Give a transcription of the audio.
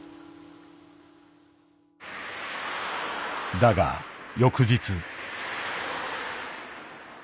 だが翌日。